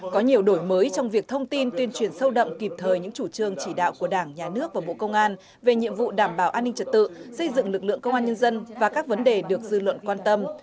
có nhiều đổi mới trong việc thông tin tuyên truyền sâu đậm kịp thời những chủ trương chỉ đạo của đảng nhà nước và bộ công an về nhiệm vụ đảm bảo an ninh trật tự xây dựng lực lượng công an nhân dân và các vấn đề được dư luận quan tâm